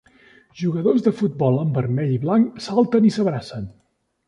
Jugadors de futbol en vermell i blanc salten i s'abracen.